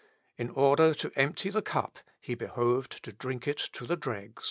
In order to empty the cup he behoved to drink it to the dregs.